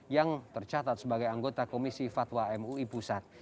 yang tercatat sebagai anggota komisi fatwa mui pusat